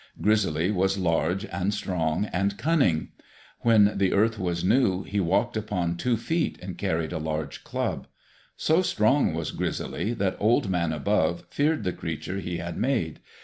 Grizzly was large and strong and cunning. When the earth was new he walked upon two feet and carried a large club. So strong was Grizzly that Old Man Above feared the creature he had made.